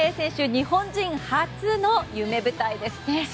日本人初の夢舞台ですね。